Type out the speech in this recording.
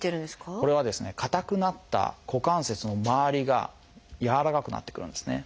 これはですね硬くなった股関節の周りが柔らかくなってくるんですね。